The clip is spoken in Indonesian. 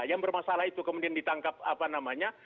yang bermasalah itu kemudian ditangkap apa namanya